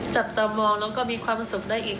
จับตามองแล้วก็มีความสุขได้อีก